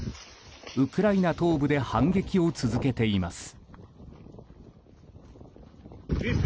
ウクライナ東部で反撃を続けています。